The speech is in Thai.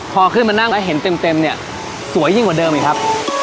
พอขึ้นมานั่งแล้วเห็นเต็มเนี่ยสวยยิ่งกว่าเดิมอีกครับ